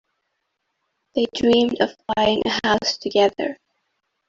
They dreamed of buying a house together.